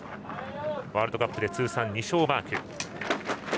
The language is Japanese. ワールドカップ通算２勝をマーク。